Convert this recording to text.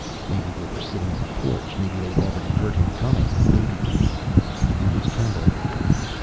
Maybe they were sitting on the porch. Maybe they'd already heard him coming. Maybe ... He was trembling again.